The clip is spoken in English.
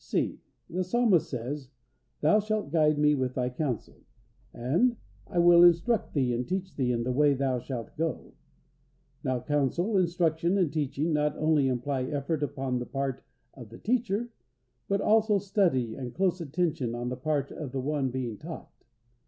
(c) The Psalmist says, "Thou shalt guide me with Thy counsel," and "I will instruct thee and teach thee in the way that thou shalt go." Now, counsel, instruction, and teaching not only imply effort upon the part of the teacher, but also study and close attention on the part of the one being taught.